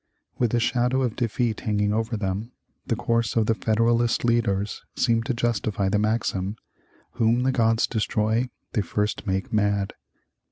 With the shadow of defeat hanging over them, the course of the Federalist leaders seemed to justify the maxim, "Whom the gods destroy they first make mad."